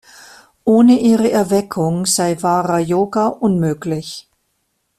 Ohne ihre Erweckung sei wahrer Yoga unmöglich.